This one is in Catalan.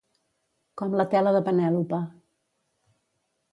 Com la tela de Penèlope.